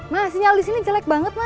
ma sinyal di sini jelek banget ma